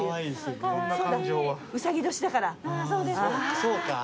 そうか。